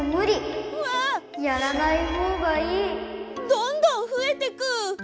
どんどんふえてく！